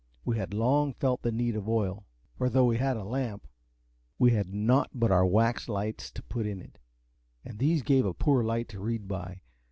We had long felt the need of oil; for though we had a lamp, we had naught but our wax lights to put in it, and these gave a poor light to read by.